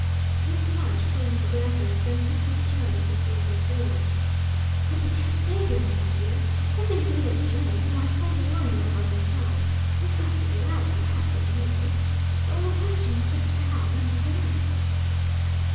This much Bruno gathered, then took his turn at the verbal oars. "But we can't stay here, man, dear. Nothing to eat or to drink, and my friends worrying over us, outside. We've got to get out; I have, at any rate. The only question is, just how, and where?"